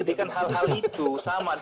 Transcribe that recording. jadi kan hal hal itu sama